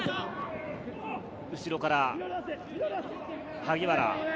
後ろから萩原。